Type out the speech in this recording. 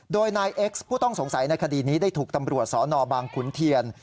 โดยนายเอ็กซ์ผู้ต้องสงสัยในคดีนี้ได้ถูกตำรวจสนบางขุนเทียน